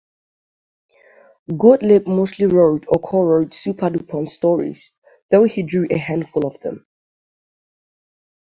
Gotlib mostly wrote or co-wrote Superdupont stories, though he drew a handful of them.